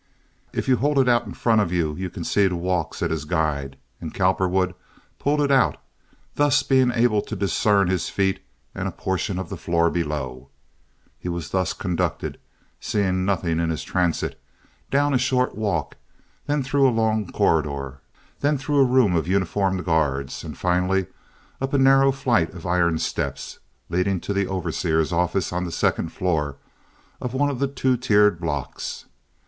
"If you hold it out in front you can see to walk," said his guide; and Cowperwood pulled it out, thus being able to discern his feet and a portion of the floor below. He was thus conducted—seeing nothing in his transit—down a short walk, then through a long corridor, then through a room of uniformed guards, and finally up a narrow flight of iron steps, leading to the overseer's office on the second floor of one of the two tier blocks.